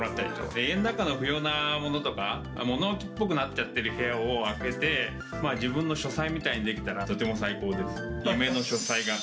家の中の不要なものとか、物置っぽくなっちゃってる部屋を空けて、自分の書斎みたいにできたらとても最高です。